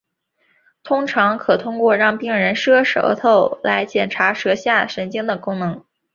通常可通过让病人伸舌来检查舌下神经的功能。